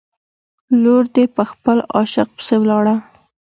لور دې په خپل عاشق پسې ولاړه.